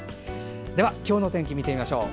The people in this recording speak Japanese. では、今日の天気見てみましょう。